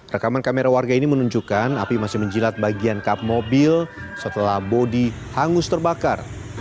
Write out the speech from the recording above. rekaman kamera warga ini menunjukkan api masih menjilat bagian kap mobil setelah bodi hangus terbakar